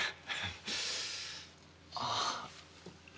ああ。